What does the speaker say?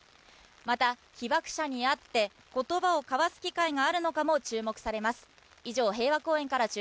また、被爆者に会って言葉を交わす機会があるのかも注目されます。